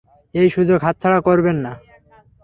এই সুযোগ হাতছাড়া করবেন না।